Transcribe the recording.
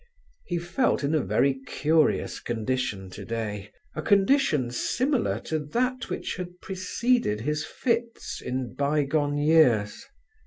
He felt in a very curious condition today, a condition similar to that which had preceded his fits in bygone years.